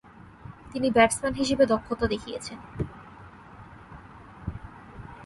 তিনি ব্যাটসম্যান হিসেবে দক্ষতা দেখিয়েছেন।